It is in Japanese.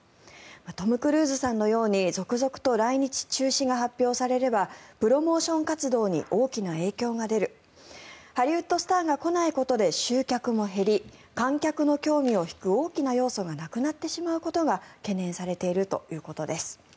トム・クルーズさんのように続々と来日中止が発表されればプロモーション活動に大きな影響が出るハリウッドスターが来ないことで集客も減り観客の興味を引く大きな要素がなくなってしまうことが懸念されているということです。